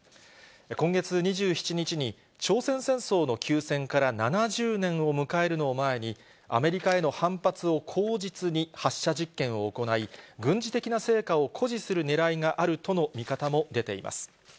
今月２７日に、朝鮮戦争の休戦から７０年を迎えるのを前に、アメリカへの反発を口実に発射実験を行い、軍事的な成果を誇示するねらいがあるとの見方も出ています。